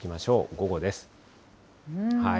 午後です。